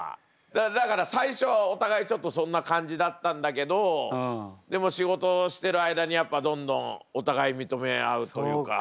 だから最初はお互いちょっとそんな感じだったんだけどでも仕事をしてる間にどんどんお互い認め合うというか。